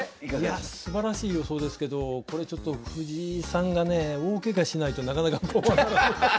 いやすばらしい予想ですけどこれちょっと藤井さんがね大ケガしないとなかなかこうはならない。